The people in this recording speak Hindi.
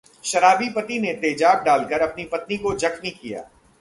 शराबी पति ने तेजाब डालकर अपनी पत्नी को जख्मी किया